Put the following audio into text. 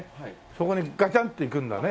そこにガチャンっていくんだね。